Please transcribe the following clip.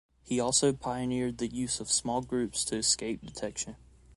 He also pioneered the use of small groups to escape detection.